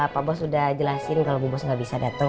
pak bos udah jelasin kalau bu bos gak bisa dateng